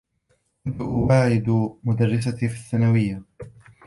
كنت أواعد مدرّستي في الثّانويّة.